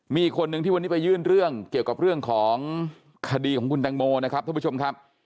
มีคนหนึ่งที่วันนี้ไปยื่นเรื่องเกี่ยวกับเรื่องของคดีของคุณตังโมนะครับท่านผู้ชมครับ